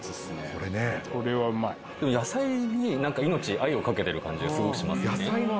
これはうまい野菜に何か命愛をかけてる感じがすごくしますよね